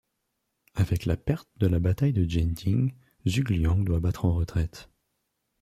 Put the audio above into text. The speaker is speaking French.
Avec la perte de la bataille de Jieting, Zhuge Liang doit battre en retraite.